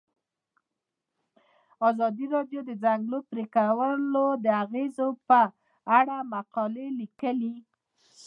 ازادي راډیو د د ځنګلونو پرېکول د اغیزو په اړه مقالو لیکلي.